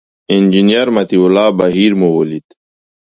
انجینر مطیع الله بهیر مو ولید.